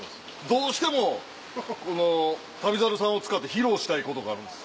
どうしても『旅猿』さんを使って披露したいことがあるんです。